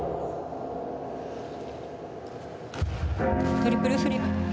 トリプルフリップ。